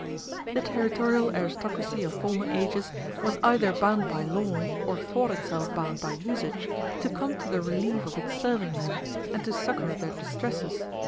The territorial aristocracy of former ages was either bound by law, or thought itself bound by usage, to come to the relief of its serving men, and to succor their distresses.